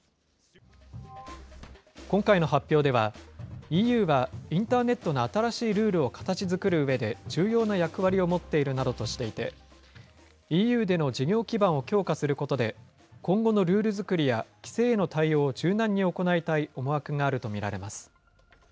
今回の発表では、ＥＵはインターネットの新しいルールを形づくるうえで重要な役割を持っているなどとしていて、ＥＵでの事業基盤を強化することで、今後のルール作りや規制への対応を柔軟に行いたい思惑があると見られます。